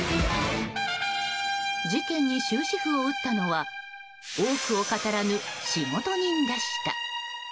事件に終止符を打ったのは多くを語らぬ仕事人でした。